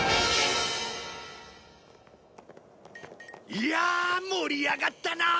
いや盛り上がったな！